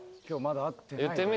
言ってみ。